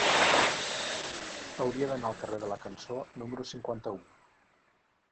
Hauria d'anar al carrer de la Cançó número cinquanta-u.